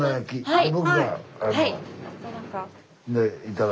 ⁉はい。